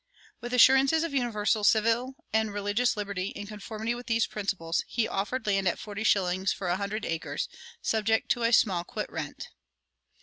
"[116:1] With assurances of universal civil and religious liberty in conformity with these principles, he offered land at forty shillings for a hundred acres, subject to a small quit rent.